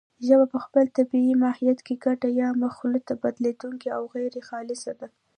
ژبه په خپل طبیعي ماهیت کې ګډه یا مخلوطه، بدلېدونکې او غیرخالصه ده